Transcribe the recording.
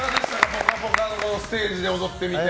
「ぽかぽか」のステージで踊ってみて。